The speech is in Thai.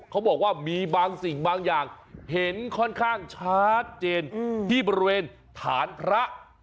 เขาบอกว่ามีบางสิ่งบางอย่างเห็นค่อนข้างชัดเจนที่บริเวณฐานพระ